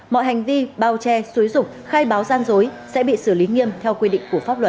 mọi hành vi bao che suối dục khai báo gian dối sẽ bị xử lý nghiêm theo quy định của pháp luật